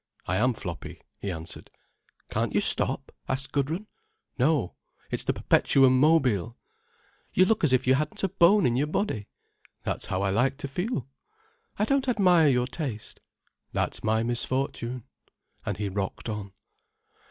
"I am floppy," he answered. "Can't you stop?" asked Gudrun. "No—it's the perpetuum mobile." "You look as if you hadn't a bone in your body." "That's how I like to feel." "I don't admire your taste." "That's my misfortune." And he rocked on.